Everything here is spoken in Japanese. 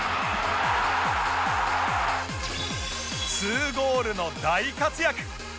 ２ゴールの大活躍！